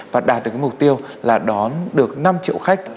và đạt được mục tiêu là đón được năm triệu khách